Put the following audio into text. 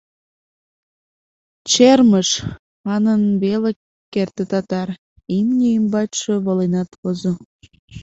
— Чермыш! — манын веле керте татар, имне ӱмбачше воленат возо.